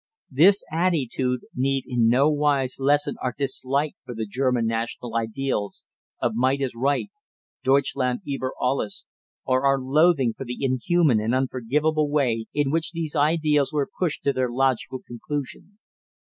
This attitude need in no wise lessen our dislike for the German national ideals of "Might is Right," "Deutschland über Alles," or our loathing for the inhuman and unforgivable way in which these ideals were pushed to their logical conclusion.